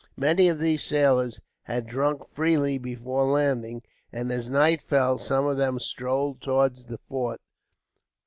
Many of these sailors had drunk freely before landing, and as night fell, some of them strolled towards the fort.